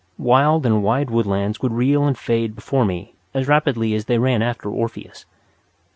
Wild and wide woodlands would reel and fade before me as rapidly as they ran after Orpheus.